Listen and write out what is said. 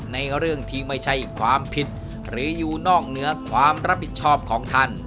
ในเรื่องที่ไม่ใช่ความผิดหรืออยู่นอกเหนือความรับผิดชอบของท่าน